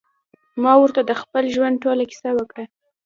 ما ورته د خپل ژوند ټوله کيسه وکړه.